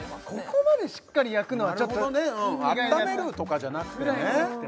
ここまでしっかり焼くのはちょっとなるほどね温めるとかじゃなくてね